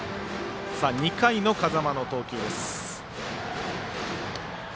２回の風間の投球です。